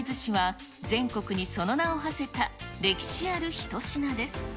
風味豊かないなりずしは、全国にその名をはせた歴史ある一品です。